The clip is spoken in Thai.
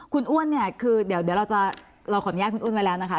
คุณอ้วนคือเดี๋ยวเราขออนุญาตคุณอ้วนไว้แล้วนะคะ